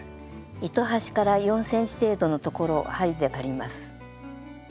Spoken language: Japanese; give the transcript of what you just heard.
糸端から４ｃｍ程度のところを針で割ります。